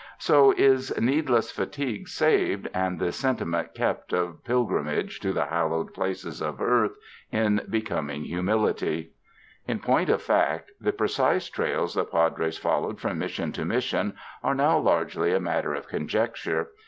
So is needless fatigue saved and the sentiment kept of pilgrimage to the hallowed places of earth in becoming humil ity. . In point of fact, the precise trails the Padres fol lowed from Mission to Mission are now largely a matter of conjecture.